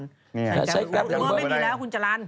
อุเบอร์ไม่มีแล้วคุณจนะ